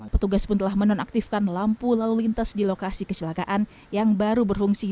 petugas pun telah menonaktifkan lampu lalu lintas di lokasi kecelakaan yang baru berfungsi